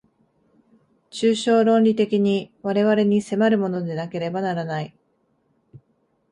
抽象論理的に我々に迫るものでなければならない。